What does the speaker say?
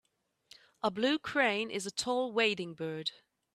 A blue crane is a tall wading bird.